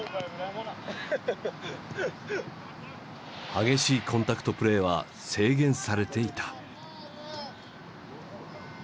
激しいコンタクトプレーは制限されていた。